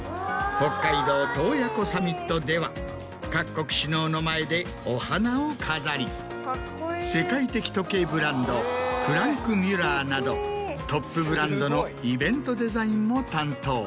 では各国首脳の前でお花を飾り世界的時計ブランドフランクミュラーなどトップブランドのイベントデザインも担当。